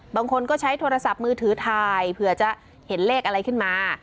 บางคนก็ใช้โทรศัพท์มือถือถ่ายเผื่อจะเห็นเลขอะไรขึ้นมา